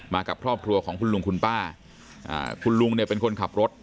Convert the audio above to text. กับครอบครัวของคุณลุงคุณป้าคุณลุงเนี่ยเป็นคนขับรถ